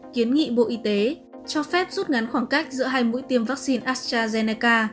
kiến nghị bộ y tế cho phép rút ngắn khoảng cách giữa hai mũi tiêm vaccine astrazeneca